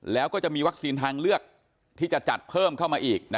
แล้วก็จะมีวัคซีนทางเลือกที่จะจัดเพิ่มเข้ามาอีก